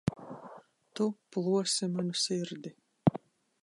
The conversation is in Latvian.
Tu plosi manu sirdi.